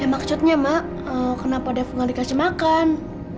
ya maksudnya ma kenapa dev nggak dikasih makan